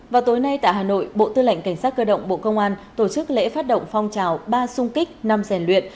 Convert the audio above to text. vào tối nay tại hà nội bộ tư lệnh cảnh sát cơ động bộ công an tổ chức lễ phát động phong trào ba sung kích năm rèn luyện